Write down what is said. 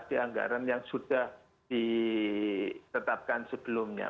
itu adalah di anggaran yang sudah ditetapkan sebelumnya